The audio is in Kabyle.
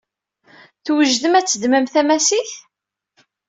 Twejdem ad teddmem tamasit?